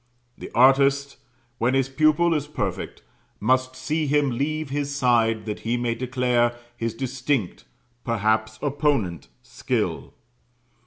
The artist, when his pupil is perfect, must see him leave his side that he may declare his distinct, perhaps opponent, skill.